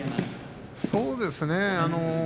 そうですね。